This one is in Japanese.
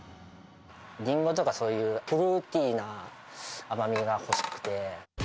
リンゴとか、そういうフルーティーな甘みが欲しくて。